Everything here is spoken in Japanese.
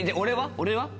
俺は？